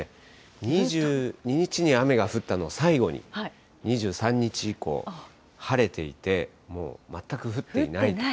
２２日に雨が降ったのを最後に、２３日以降、晴れていて、もう、全く降っていないと。